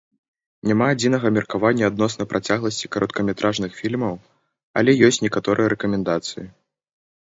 Няма адзінага меркавання адносна працягласці кароткаметражных фільмаў, але ёсць некаторыя рэкамендацыі.